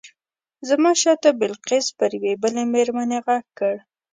زما شاته بلقیس پر یوې بلې مېرمنې غږ کړ.